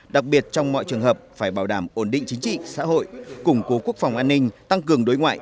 đặc biệt trong mọi trường hợp phải bảo đảm ổn định chính trị xã hội củng cố quốc phòng an ninh tăng cường đối ngoại